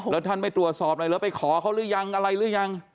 แล้วท่านไม่ตรวจสอบหน่อยเหรอไปขอเขาหรือยังอะไรหรือยัง